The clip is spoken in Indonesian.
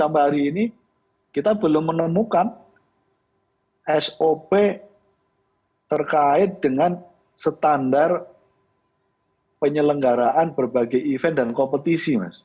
sampai hari ini kita belum menemukan sop terkait dengan standar penyelenggaraan berbagai event dan kompetisi mas